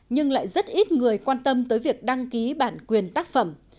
nhưng lại rất ít người quan tâm tới việc đăng ký bản quyền tác phẩm